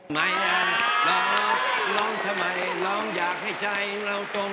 เพราะน้องเข้าดาวด้วยเห็นไหม